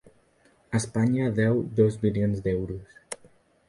Espanya deu dos bilions d’euros.